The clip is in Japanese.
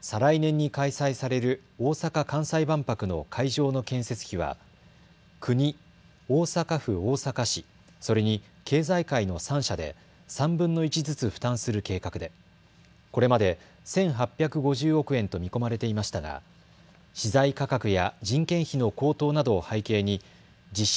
再来年に開催される大阪・関西万博の会場の建設費は国、大阪府・大阪市、それに経済界の３者で３分の１ずつ負担する計画でこれまで１８５０億円と見込まれていましたが資材価格や人件費の高騰などを背景に実施